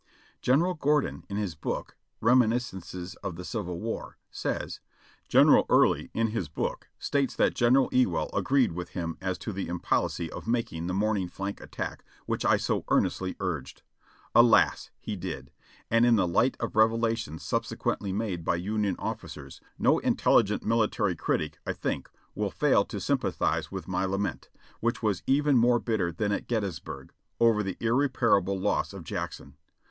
General Gordon, in his book ("Reminiscences of the Civil War") says : "General Early, in his book, states that General Ewell agreed with him as to the impolicy of making the morning flank attack which I so earnestly urged. Alas ! he did ; and in the light of revelations subsequently made by Union officers, no intelligent military critic, I think, will fail to sympathize with my lament, which was even more bitter than at Gettysburg, over the irrepar able loss of Jackson.